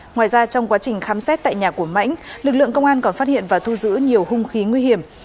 ngoài ra trong quá trình khám xét tại nhà của mãnh lực lượng công an còn phát hiện và thu giữ nhiều hung khí nguy hiểm